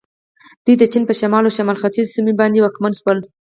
دوی د چین په شمال او شمال ختیځو سیمو باندې واکمن شول.